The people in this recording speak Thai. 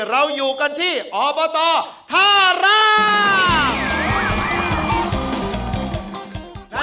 เราอยู่กันที่อบตท่าราม